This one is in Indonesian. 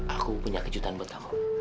aku punya kejutan buat aku